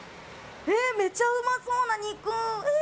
めちゃうまそうな肉！